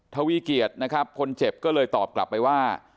ทวีร์เกียรตน์คนเจ็บก็เลยตอบกลับไปว่า